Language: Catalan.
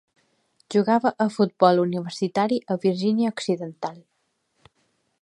Jugava a futbol universitari a Virgínia Occidental.